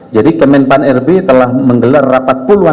jadi kementerian lb telah menggelar rapat puluhan